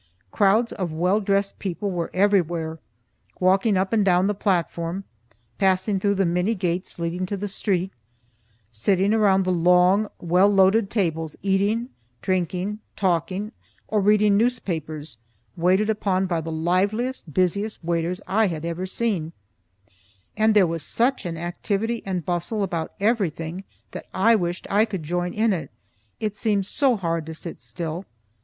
Crowds of well dressed people were everywhere walking up and down the platform, passing through the many gates leading to the street, sitting around the long, well loaded tables, eating, drinking, talking or reading newspapers, waited upon by the liveliest, busiest waiters I had ever seen and there was such an activity and bustle about everything that I wished I could join in it, it seemed so hard to sit still.